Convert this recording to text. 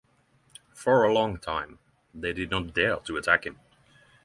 For a long time, they did not dare to attack him.